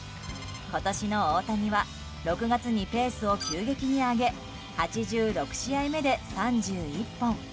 今年の大谷は６月にペースを急激に上げ８６試合目で３１本。